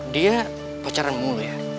dia pacaran mulu ya